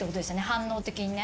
反応的にね。